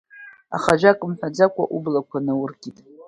Аха ажәак мҳәаӡакәа, ублақәа науркит.